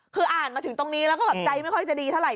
คืออ่านมาถึงตรงนี้แล้วก็แบบใจไม่ค่อยจะดีเท่าไห